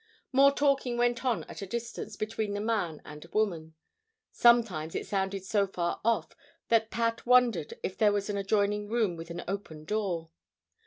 More talking went on at a distance, between the man and woman. Sometimes it sounded so far off that Pat wondered if there was an adjoining room with an open door.